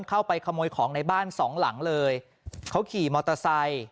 เข้าไปขโมยของในบ้านสองหลังเลยเขาขี่มอเตอร์ไซค์